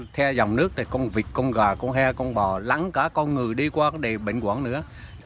theo dòng nước thì con vịt con gà con he con bò lắng cả con người đi qua để bệnh quản nữa